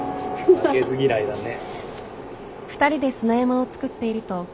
負けず嫌いだね。